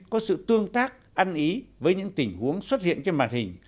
có sự tương tác ăn ý với những tình huống xuất hiện trên màn hình